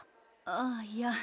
あっいや